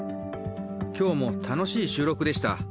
きょうも楽しい収録でした。